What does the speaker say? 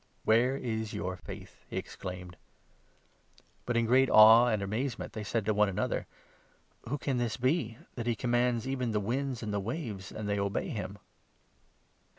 " Where is your faith ?" he exclaimed. 25 But in great awe and amazement they said to one another : "Who can this be, that he commands even the winds and the waves, and they obey him